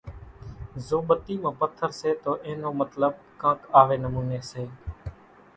زو ٻتي مان پٿر سي تو اين نو مطلٻ ڪانڪ آوي نموني سي،